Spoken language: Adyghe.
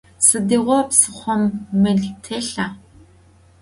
Sıdiğo psıxhom mıl têlha?